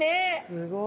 すごい。